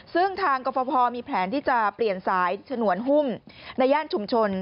ซึ่งทางกรฟภมีแผนที่จะเปลี่ยนสายฉนวนหุ้มในย่านชุมชน